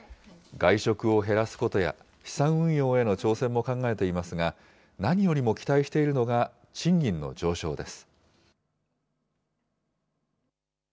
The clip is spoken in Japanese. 外食を減らすことや、資産運用への挑戦も考えていますが、何よりも期待しているのが、賃金の上昇です。